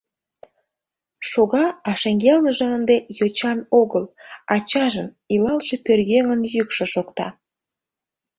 Шога, а шеҥгелныже ынде йочан огыл, ачажын — илалше пӧръеҥын — йӱкшӧ шокта: